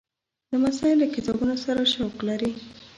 لمسی له کتابونو سره شوق لري.